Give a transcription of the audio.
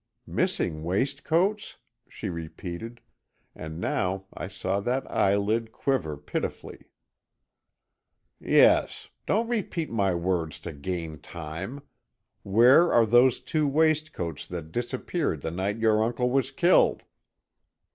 "Missing waistcoats?" she repeated, and now I saw that eyelid quiver pitifully. "Yes, don't repeat my words to gain time. Where are those two waistcoats that disappeared the night your uncle was killed?"